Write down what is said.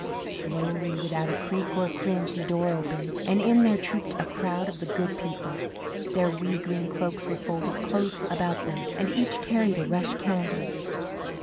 Slowly, without a creak or a cringe, the door opened, and in there trooped a crowd of the Good People. Their wee green cloaks were folded close about them, and each carried a rush candle.